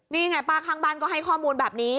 นี่ไงป้าข้างบ้านก็ให้ข้อมูลแบบนี้